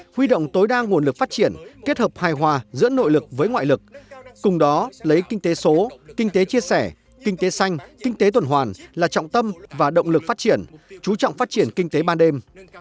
huy động tối đa nguồn lực phát triển kết hợp hài hòa giữa nội lực với ngoại lực cùng đó lấy kinh tế số kinh tế chia sẻ kinh tế xanh kinh tế tuần hoàn là trọng tâm và động lực phát triển chú trọng phát triển kinh tế ban đêm